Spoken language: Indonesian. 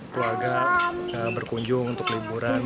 keluarga berkunjung untuk liburan